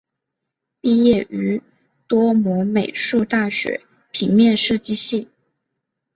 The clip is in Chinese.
毕业于多摩美术大学平面设计系。